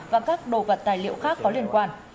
và các đồ vật tài liệu khác có liên quan